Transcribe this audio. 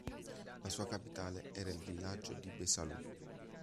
La sua capitale era il villaggio di Besalú.